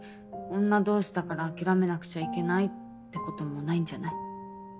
女同士だから諦めなくちゃいけないってこともないんじゃない？